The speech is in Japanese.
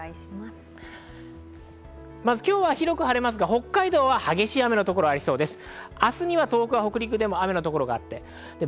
今日は広く晴れますが、北海道は激しい雨の所がありそうです。